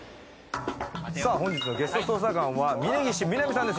本日のゲスト捜査官は峯岸みなみさんです。